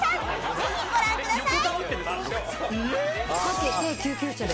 ぜひご覧ください！